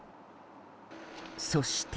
そして。